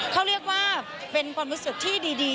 เขาเรียกว่าเป็นความรู้สึกที่ดี